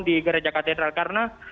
di gereja katedral karena